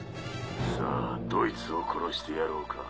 さあどいつを殺してやろうか？